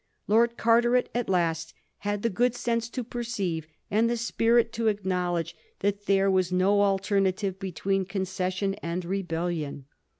Lord Carteret at last had the good sense to perceive, and the spirit to acknowledge, that there was no alternative between concession and rebellion.